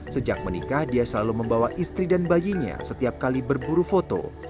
sejak menikah dia selalu membawa istri dan bayinya setiap kali berburu foto